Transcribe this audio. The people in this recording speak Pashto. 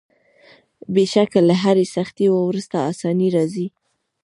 بېشکه له هري سختۍ وروسته آساني راځي.